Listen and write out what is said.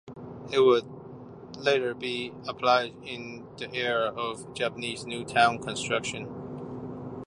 It would later be applied in the era of Japanese New Town construction.